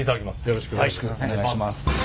よろしくお願いします。